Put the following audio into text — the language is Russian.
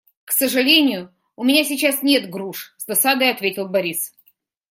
«К сожалению, у меня сейчас нет груш», - с досадой ответил Борис.